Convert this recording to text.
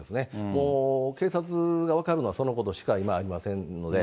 もう警察が分かるのは、そのことしか今、ありませんので。